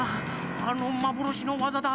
あのまぼろしのわざだ。